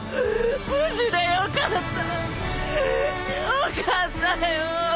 よかったよぉ。